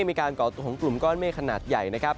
ก่อตัวของกลุ่มก้อนเมฆขนาดใหญ่นะครับ